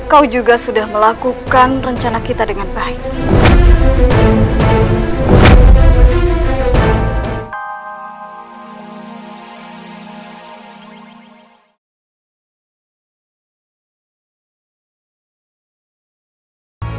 kau juga sudah melakukan rencana kita dengan baik